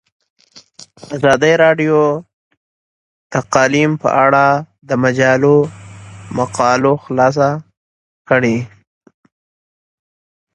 ازادي راډیو د اقلیم په اړه د مجلو مقالو خلاصه کړې.